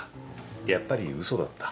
やっぱり嘘だった。